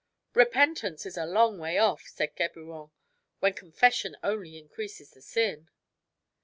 "Repentance is a long way off," said Geburon, "when confession only increases the sin."